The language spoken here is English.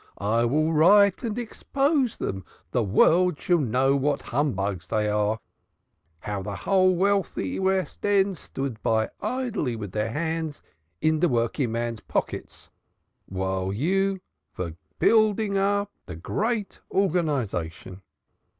I will write and expose dem the world shall know what humbugs dey are, how de whole wealthy West End stood idly by with her hands in de working men's pockets while you vere building up de great organization.